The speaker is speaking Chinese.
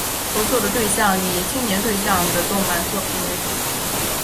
合作的对象以青年对象的动漫作品为主。